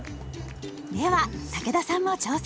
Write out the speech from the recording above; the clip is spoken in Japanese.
では武田さんも挑戦！